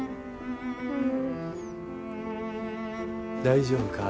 大丈夫か？